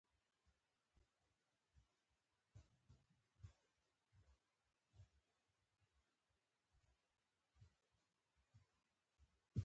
دوی سره څه واک موجود دی.